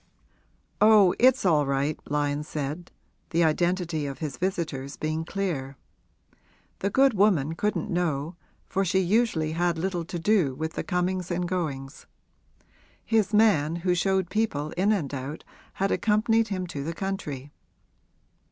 'Oh, it's all right,' Lyon said, the identity of his visitors being clear. The good woman couldn't know, for she usually had little to do with the comings and goings; his man, who showed people in and out, had accompanied him to the country.